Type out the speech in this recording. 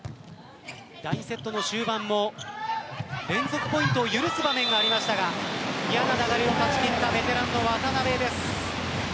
第２セットの終盤も連続ポイントを許す場面がありましたが嫌な流れを断ち切ったベテランの渡邊です。